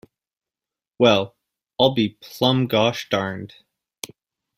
Well, I'll be plumb gosh darned.